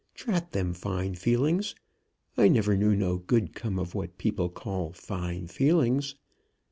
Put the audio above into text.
Drat them fine feelings. I never knew no good come of what people call fine feelings.